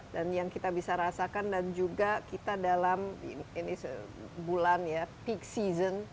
dan yang kita bisa rasakan dan juga kita dalam bulan peak season